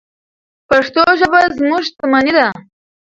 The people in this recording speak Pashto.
پښتو ژبه زموږ شتمني ده.